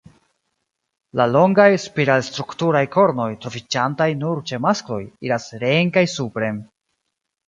La longaj, spiral-strukturaj kornoj, troviĝantaj nur ĉe maskloj, iras reen kaj supren.